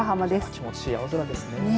気持ちいい青空ですね。